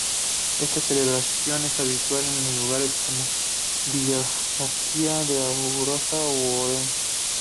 Esta celebración es habitual en lugares como Villagarcía de Arosa u Orense.